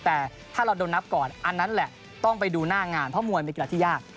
แต่ถ้าเราโดนนับก่อนอันนั้นแหละต้องไปดูหน้างานเพราะมวยเป็นกีฬาที่ยาก